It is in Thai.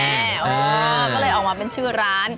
ก็เลยออกมาเป็นชื่อร้าน